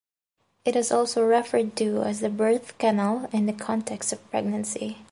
It is also referred to as the birth canal in the context of pregnancy.